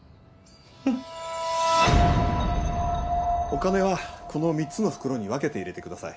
お金はこの３つの袋に分けて入れてください。